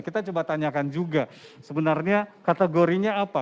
kita coba tanyakan juga sebenarnya kategorinya apa